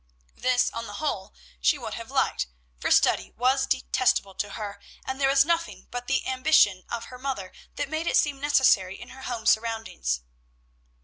This, on the whole, she would have liked, for study was detestable to her, and there was nothing but the ambition of her mother that made it seem necessary in her home surroundings.